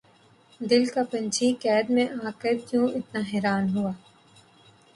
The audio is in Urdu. دل کا پنچھی قید میں آ کر کیوں اتنا حیران ہوا